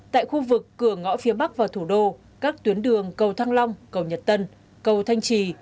tại khu vực cửa ngõ phía bắc vào thủ đô các tuyến đường cầu thăng long cầu nhật tân cầu thanh trì